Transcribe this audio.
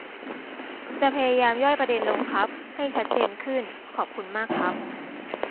จะพยายามย่อยประเด็นลงครับ ให้ชัดเจนขึ้น ขอบคุณมากครับ